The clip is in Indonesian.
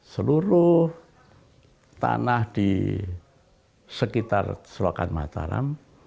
seluruh tanah di sekitar selokan mataram